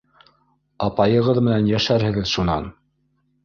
Апайығыҙ менән йәшәрһегеҙ шунан.